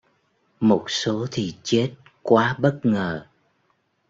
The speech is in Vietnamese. Một số thì chết quá bất ngờ